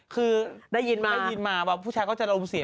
ถือหี้มาที่มาบอกพุชัยอาลมเสีย